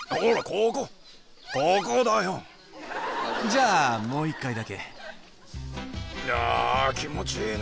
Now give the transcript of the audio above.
じゃあもう一回だけ。